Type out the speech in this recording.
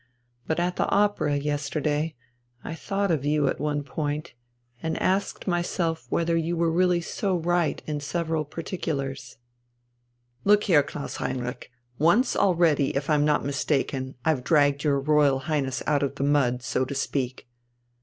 But at the opera yesterday I thought of you at one point, and asked myself whether you really were so right in several particulars...." "Look here, Klaus Heinrich, once already, if I'm not mistaken, I've dragged your Royal Highness out of the mud, so to speak...."